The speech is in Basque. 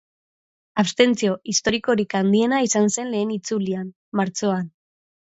Abstentzio historikorik handiena izan zen lehen itzulian, martxoan.